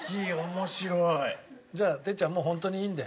じゃあ哲ちゃんもうホントにいいんで。